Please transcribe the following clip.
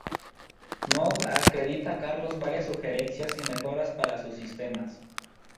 Moog acredita a Carlos varias sugerencias y mejoras para sus sistemas.